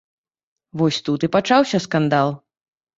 Вось тут і пачаўся скандал.